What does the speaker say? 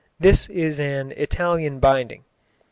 This is an Italian binding.